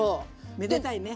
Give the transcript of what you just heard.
めでたいね。